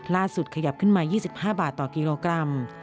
ขยับขึ้นมา๒๕บาทต่อกิโลกรัม